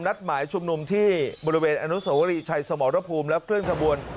นัดหมายชุมนุมที่บริเวณอนุสวรีชัยสมรภูมิแล้วเคลื่อนขบวน